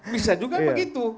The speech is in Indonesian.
bisa juga begitu